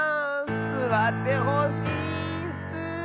すわってほしいッス！」。